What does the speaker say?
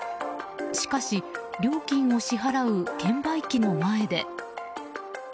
しかし料金を支払う券売機の前で。